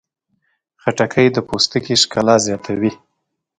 خټکی د پوستکي ښکلا زیاتوي.